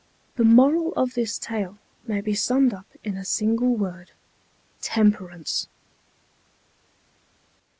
The moral of this tale may be summed up in a single word, TEMPERANCE.